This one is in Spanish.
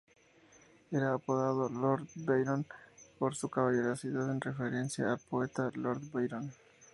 Era apodado "Lord Byron" por su caballerosidad, en referencia al poeta Lord Byron.